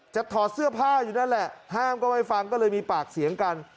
ถอดเสื้อผ้าอยู่นั่นแหละห้ามก็ไม่ฟังก็เลยมีปากเสียงกัน